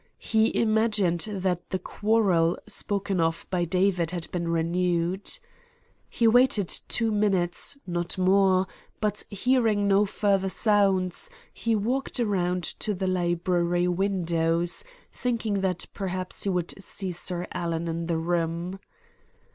He imagined that the 'quarrel' spoken of by David had been renewed. "He waited two minutes, not more, but hearing no further sounds, he walked round to the library windows, thinking that perhaps he would see Sir Alan in the room.